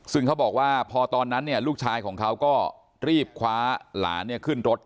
ซึ่งเขาบอกว่าพอตอนนั้นลูกชายของเขาก็รีบคว้าหลานขึ้นรถ